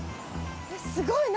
すごい何？